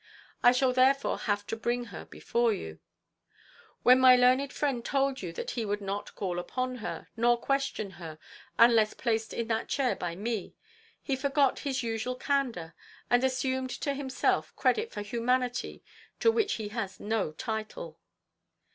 I shall therefore have to bring her before you. When my learned friend told you that he would not call upon her, nor question her unless placed in that chair by me, he forgot his usual candour, and assumed to himself credit for humanity to which he has no title.